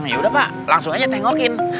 yaudah pak langsung aja tengokin